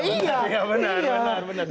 iya benar benar